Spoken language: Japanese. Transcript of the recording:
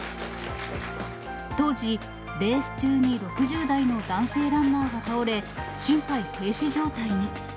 当時、レース中に６０代の男性ランナーが倒れ、心肺停止状態に。